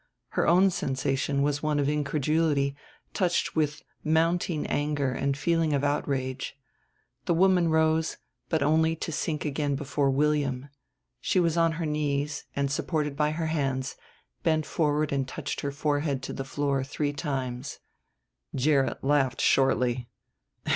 Her own sensation was one of incredulity touched with mounting anger and feeling of outrage. The woman rose, but only to sink again before William: she was on her knees and, supported by her hands, bent forward and touched her forehead to the floor three times. Gerrit laughed shortly.